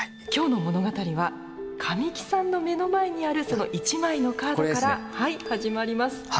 今日の物語は神木さんの目の前にあるその１枚のカードから始まります。